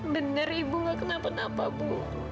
benar ibu nggak kenapa apa bu